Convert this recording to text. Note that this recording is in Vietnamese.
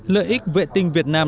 lợi ích vệ tinh việt nam